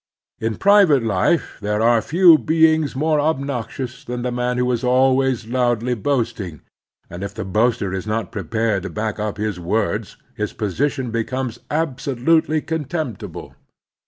In private life there are few beings more obnoxious than the man who is always loudly boasting ; and if the boaster is not prepared to back up his words his position becomes absolutely contemptible.